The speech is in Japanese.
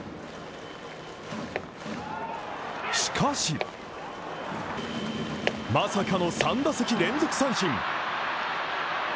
しかしまさかの３打席連続三振。